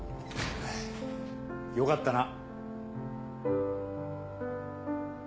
よかったな。